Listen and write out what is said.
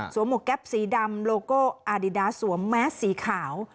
หมวกแก๊ปสีดำโลโก้อาดิดาสวมแมสสีขาว